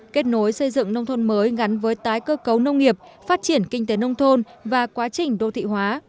kết nối xây dựng nông thôn mới gắn với tái cơ cấu nông nghiệp phát triển kinh tế nông thôn và quá trình đô thị hóa